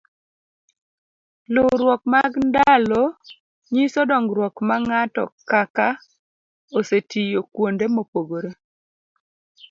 luwruok mag ndalo nyiso dongruok ma ng'atokaka osetiyo kuonde mopogore